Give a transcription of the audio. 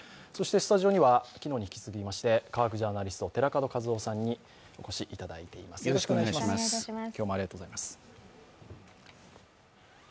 スタジオには昨日に引き続きまして科学ジャーナリスト寺門和夫さんにお越しいただいています。